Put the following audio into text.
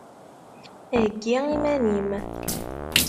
Heggi iman-im!